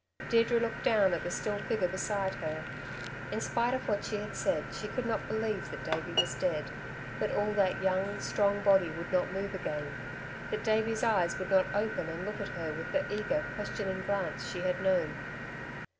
Deirdre looked down at the still figure beside her. In spite of what she had said she could not believe that Davey was dead that all that young, strong body would not move again, that Davey's eyes would not open and look at her with the eager, questioning glance she had known.